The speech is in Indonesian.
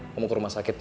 aku mau ke rumah sakit